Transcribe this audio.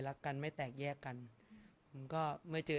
สงฆาตเจริญสงฆาตเจริญ